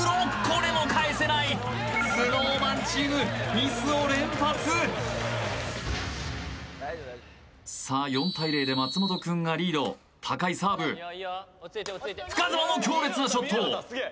これも返せないＳｎｏｗＭａｎチームミスを連発さあ４対０で松本くんがリード高いサーブ深澤の強烈なショット